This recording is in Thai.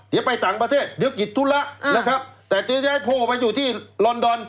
เดี๋ยวไปต่างประเทศเดี๋ยวกิจธุระนะครับแต่จะย้ายโพลออกไปอยู่ที่ลอนดอน